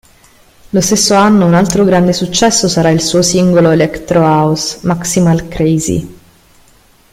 Lo stesso anno un altro grande successo sarà il suo singolo electro-house "Maximal Crazy".